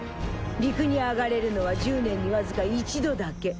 陸に上がれるのは１０年にわずか一度だけ。